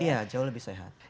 iya jauh lebih sehat